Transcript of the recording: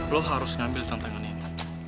lo harus ngambil tantangan ini